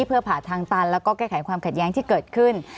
เพื่อผ่าทางตันแล้วก็แก้ไขความขัดแย้งที่เกิดขึ้น